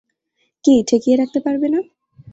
কী ঠেকিয়ে রাখতে পারবে না?